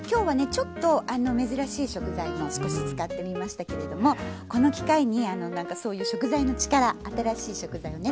ちょっと珍しい食材も少し使ってみましたけれどもこの機会に何かそういう食材の力新しい食材をね